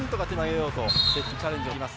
チャレンジがあります。